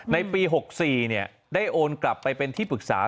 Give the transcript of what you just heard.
ในปี๖๔ได้โอนกลับไปเป็นที่ปรึกษา